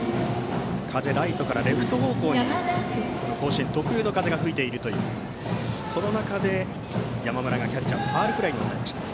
ライトからレフト方向に甲子園特有の風が吹いているその中で山村がキャッチャーのファウルフライつかみました。